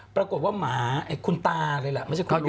ปรากฏว่าหมาคุณตาเลยแหละไม่ใช่คุณลุง